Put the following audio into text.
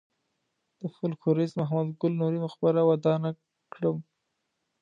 د فولکلوریست محمد ګل نوري مقبره ودانه کړم.